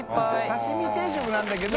刺身定食なんだけど。